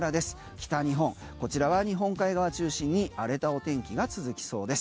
北日本、こちらは日本海側中心に荒れたお天気が続きそうです。